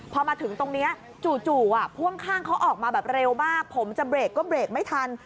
พอมาถึงตรงนี้จู่พ่วงข้างเขาออกมาแบบเร็วมากผมจะเบรกก็เบรกไม่ทัน